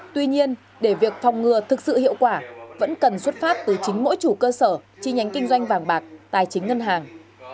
tuy nhiên để việc phòng ngừa thực sự hiệu quả vẫn cần xuất phát từ chính mỗi chủ cơ sở chi nhánh kinh doanh vàng bạc tài chính ngân hàng